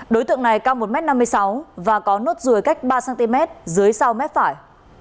đối tượng này cao một m năm mươi sáu và có nốt ruồi cách ba cm dưới sau mép phải